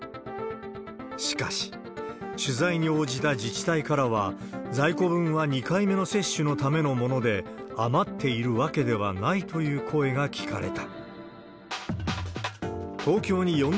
しかし、取材に応じた自治体からは、在庫分は２回目の接種のためのもので、余っているわけではないという声が聞かれた。